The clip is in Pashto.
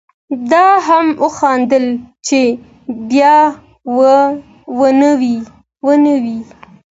ده هم وخندل چې بیا و نه وایې.